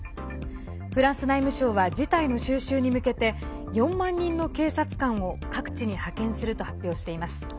フランス内務省は事態の収拾に向けて４万人の警察官を各地に派遣すると発表しています。